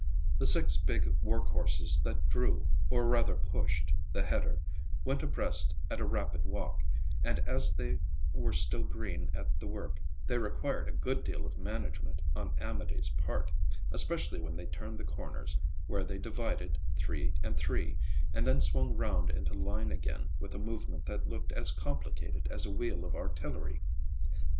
The six big work horses that drew, or rather pushed, the header, went abreast at a rapid walk, and as they were still green at the work they required a good deal of management on Amédée's part; especially when they turned the corners, where they divided, three and three, and then swung round into line again with a movement that looked as complicated as a wheel of artillery.